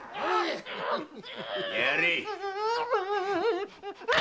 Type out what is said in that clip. やれ。